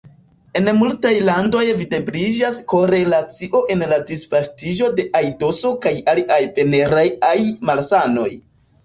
En multaj landoj videbliĝas korelacio en la disvastiĝo de aidoso kaj aliaj venereaj malsanoj.